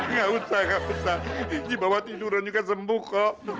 nggak usah nggak usah di bawah tiduran juga sembuh kok